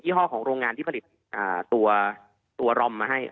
ี่ห้อของโรงงานที่ผลิตตัวรอมมาให้